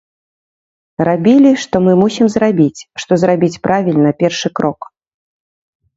Рабілі, што мы мусім зрабіць, што зрабіць правільна, першы крок.